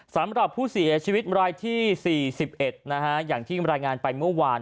สำหรับผู้เสียชีวิตรายที่๔๑อย่างที่รายงานไปเมื่อวาน